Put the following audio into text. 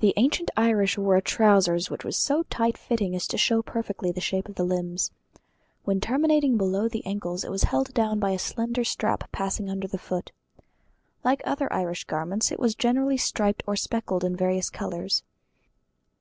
The ancient Irish wore a trousers which was so tight fitting as to show perfectly the shape of the limbs. When terminating below the ankles it was held down by a slender strap passing under the foot. Like other Irish garments it was generally striped or speckled in various colours.